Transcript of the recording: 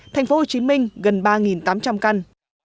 thành phố hồ chí minh gần ba tám trăm linh căn